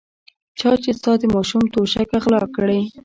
چا چې ستا د ماشوم توشکه غلا کړې.